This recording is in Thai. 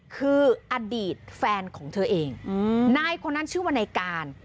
คืออดีตแฟนของเธอเองนายคนนั้นชื่อว่านายการ